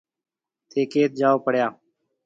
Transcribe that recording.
ٿَي ڪيٿ جاو پڙيا۔